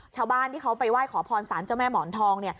ชาวบ้านที่เขาไปไหว้ขอพรสารเจ้าแม่หมอนทอง